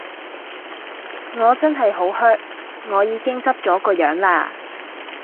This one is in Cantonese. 我真係好 hurt， 我已經執咗個樣啦!